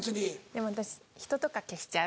でも私人とか消しちゃう。